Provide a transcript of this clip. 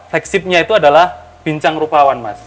tekshipnya itu adalah bincang rupawan mas